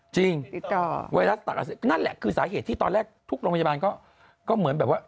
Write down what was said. ติดต่อไวรัสตักอักเสบนั่นแหละคือสาเหตุที่ตอนแรกทุกโรงพยาบาลก็เหมือนแบบว่า